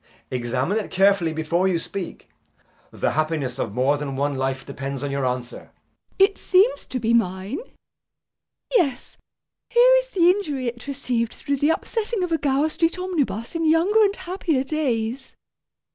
Examine it carefully before you speak. The happiness of more than one life depends on your answer. MISS PRISM. [Calmly.] It seems to be mine. Yes, here is the injury it received through the upsetting of a Gower Street omnibus in younger and happier days.